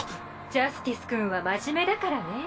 ジャスティス君は真面目だからねぇ。